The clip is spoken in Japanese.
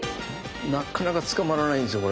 なかなか捕まらないんですよ